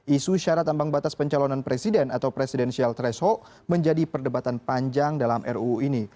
isu syarat ambang batas pencalonan presiden atau presidensial threshold menjadi perdebatan panjang dalam ruu ini